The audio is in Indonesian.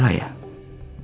jadi bener kan